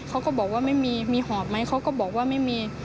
เขาก็บอกว่าไม่มีมีหอบไหมเขาก็บอกว่าไม่มี